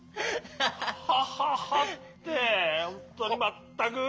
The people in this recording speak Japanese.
「ハハハ」ってほんとにまったく。